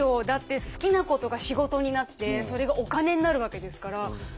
だって好きなことが仕事になってそれがお金になるわけですから。